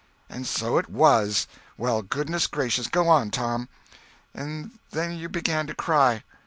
"And so it was! Well, goodness gracious! Go on, Tom!" "And then you began to cry."